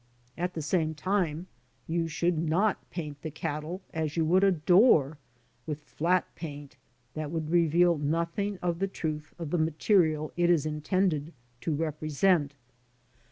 At the same time you should not paint the cattle as you would a door; with flat paint that would reveal nothing of the truth of the material it is intended to represent.